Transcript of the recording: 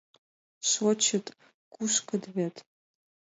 Шочыт, кушкыт вет.